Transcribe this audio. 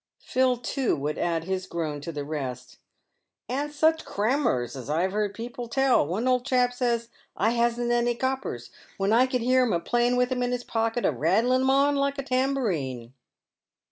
Phil, too, would add his groan to the rest. " And such crammers as I've heard people tell. One old chap says, ' I hasn't any coppers,' when I could hear him a playing with 'em in his pocket, a rattling on 'em like a tambourine."